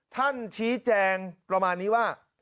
ท่านชี้แจงประมาณนี้ว่า